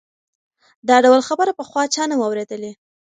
دا ډول خبره پخوا چا نه وه اورېدلې.